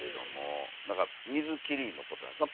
何か水切りのことじゃないですか？